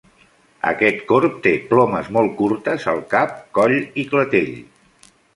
Aquest corb te plomes molt curtes al cap, coll i clatell.